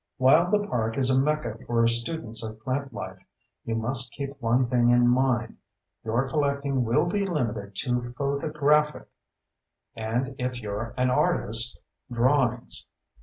While the park is a mecca for students of plantlife, you must keep one thing in mind: your collecting will be limited to photographs (and, if you're an artist, drawings).